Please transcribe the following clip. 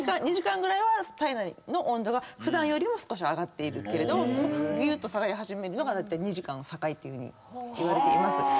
２時間ぐらいは体内の温度が普段よりも少し上がっているけれどもぎゅーっと下がり始めるのがだいたい２時間を境っていうふうにいわれています。